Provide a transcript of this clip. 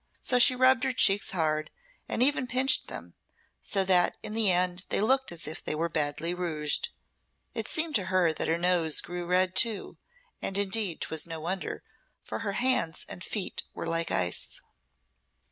So she rubbed her cheeks hard, and even pinched them, so that in the end they looked as if they were badly rouged. It seemed to her that her nose grew red too, and indeed 'twas no wonder, for her hands and feet were like ice.